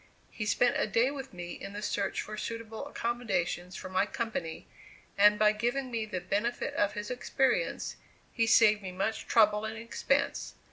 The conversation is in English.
He spent a day with me in the search for suitable accommodations for my company, and by giving me the benefit of his experience, he saved me much trouble and expense.